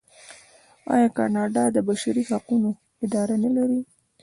آیا کاناډا د بشري حقونو اداره نلري؟